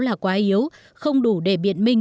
là quá yếu không đủ để biện minh